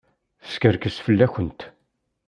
Teskerkes fell-awent.